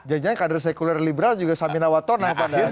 jangan jangan kader sekuler liberal juga samina watton naik pada ciganjur